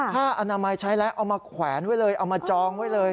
ผ้าอนามัยใช้แล้วเอามาแขวนไว้เลยเอามาจองไว้เลย